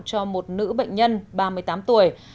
cho một nữ bệnh nhân ba mươi tám tuổi